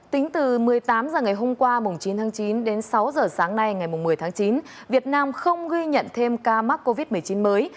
tính từ một mươi tám h ngày hôm qua chín tháng chín đến sáu h sáng nay ngày một mươi tháng chín việt nam không ghi nhận thêm ca mắc covid một mươi chín mới